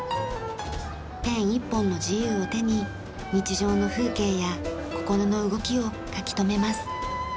ペン１本の自由を手に日常の風景や心の動きを書き留めます。